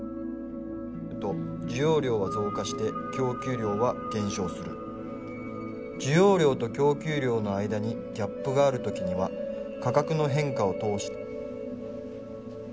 「需要量は増加して供給量は減少する」「需要量と供給量の間にギャップがある時には価格の変化を通して」